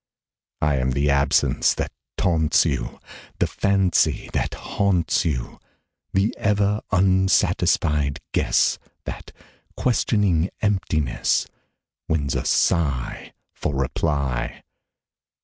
I am the absence that taunts you, The fancy that haunts you; The ever unsatisfied guess That, questioning emptiness, Wins a sigh for reply.